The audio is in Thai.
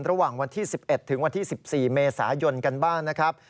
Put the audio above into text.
ระหว่างวันที่๑๑ถึงวันที่๑๔เมษายนกันบ้างนะครับ